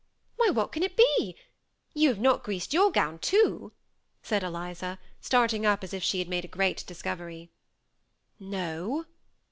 " Why, what can it be ? You have not greased your gown too ?" said Eliza, starting up as if she had made a great discovery. « No.